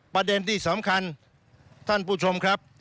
ประเด็นที่สำคัญท่านผู้ชมครับ